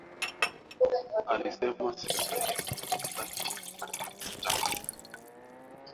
Alisema serikali iliwanyima kibali cha kufanya mkutano